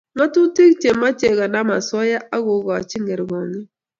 ngatutik chemochei konam osoya ak kekoch kerkongiet